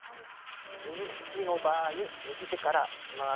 右利きの場合右手からいきます。